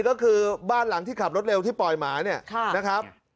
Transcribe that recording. ก็คือบ้านหลังที่ขับรถเร็วที่ปล่อยหมาเนี่ยนะครับ